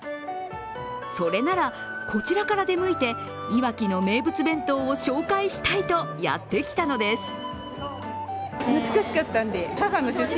それなら、こちらから出向いていわきの名物弁当を紹介したいとやってきたのです。